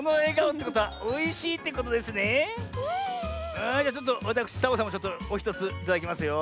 あじゃちょっとわたくしサボさんもおひとついただきますよ。